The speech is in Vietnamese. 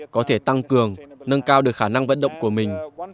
có thể tăng cường nâng cao được khả năng vận động của mình